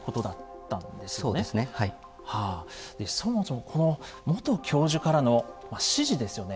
そもそもこの元教授からの指示ですよね